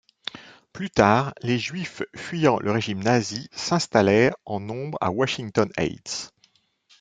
Plus tard, les Juifs fuyant le régime nazi s'installèrent en nombre à Washington Heights.